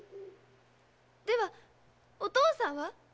ではお父さんは？